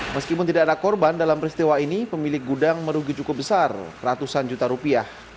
meskipun tidak ada korban dalam peristiwa ini pemilik gudang merugi cukup besar ratusan juta rupiah